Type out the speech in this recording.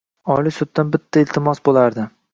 Oliy suddan bitta iltimos bo‘lardi: